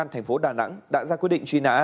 thành phố đà nẵng đã ra quyết định truy nã